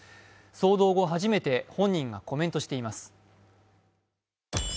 騒動後初めて本人がコメントしています。